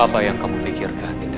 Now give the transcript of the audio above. apa yang kamu pikirkan